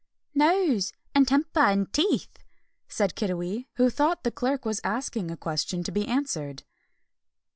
"Nose and temper and teeth," said Kiddiwee, who thought the Clerk was asking a question to be answered.